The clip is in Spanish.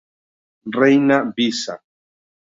Reina Visa